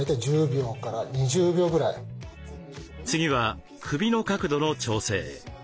次は首の角度の調整。